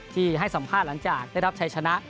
ที่ให้สัมภาษณ์หลังจากได้รับชัยชนะ